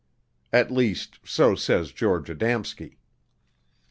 At least, so says George Adamski.